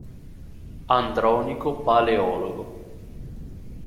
Andronico Paleologo